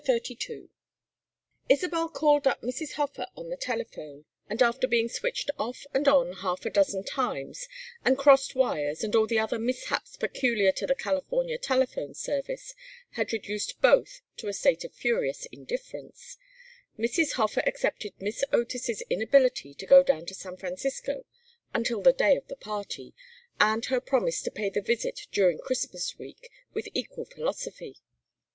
XXXII Isabel called up Mrs. Hofer on the telephone, and after being switched off and on half a dozen times, and crossed wires and all the other mishaps peculiar to the California telephone service had reduced both to a state of furious indifference, Mrs. Hofer accepted Miss Otis's inability to go down to San Francisco until the day of the party, and her promise to pay the visit during Christmas week, with equal philosophy.